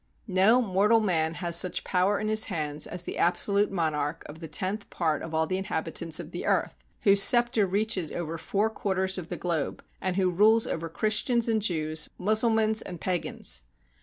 No mortal man has such power in his hands as the absolute monarch of the tenth part of all the inhabitants of the earth, whose scepter reaches over four quarters of the globe, and who rules over Christians and Jews, Mus sulmans, and pagans.